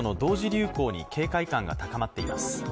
流行に警戒感が高まっています。